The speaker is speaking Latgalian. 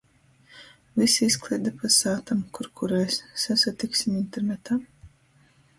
Vysi izkleida pa sātom. Kur kurais. Sasatiksim internetā.